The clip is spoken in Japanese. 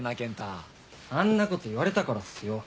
あんなこと言われたからっすよ。